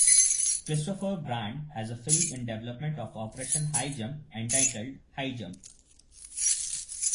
Christopher Brand has a film in development of Operation Highjump entitled "Highjump".